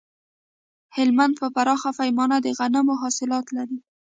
هلمند په پراخه پیمانه د غنمو حاصلات لري